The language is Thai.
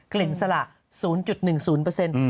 กลิ่นสลัก๐๑๐